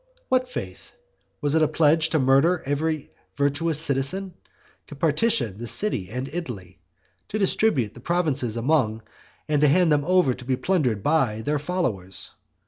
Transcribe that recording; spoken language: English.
What faith? Was it a pledge to murder every virtuous citizen, to partition the city and Italy, to distribute the provinces among, and to hand them over to be plundered by, their followers?